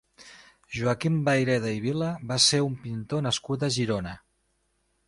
Joaquim Vayreda i Vila va ser un pintor nascut a Girona.